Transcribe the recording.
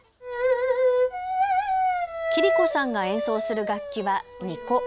桐子さんが演奏する楽器は二胡。